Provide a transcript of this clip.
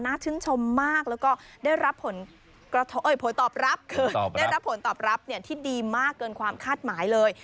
น้าช้นชมมากแล้วก็ได้รับผลตอบรับที่ดีมากเกินความคาดหมายเลย